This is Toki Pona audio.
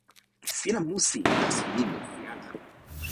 sina musi. taso mi musi ala.